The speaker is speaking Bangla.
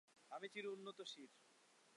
আমি চির উন্নত শির!